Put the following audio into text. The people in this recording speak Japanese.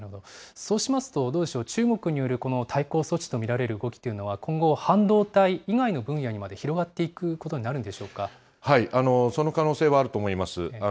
そうしますと、どうでしょう、中国によるこの対抗措置と見られる動きというのは、今後、半導体以外の分野にまで広がっていくこその可能性はあると思います。